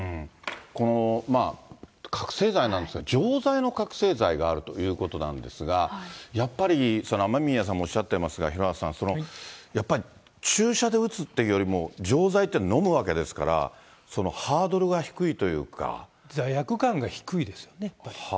この覚醒剤なんですが、錠剤の覚醒剤があるということなんですが、やっぱり雨宮さんもおっしゃってますが、廣畑さん、やっぱり注射で打つっていうよりも錠剤って、のむわけですから、罪悪感が低いですよね。